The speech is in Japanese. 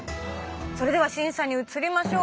それでは審査に移りましょう。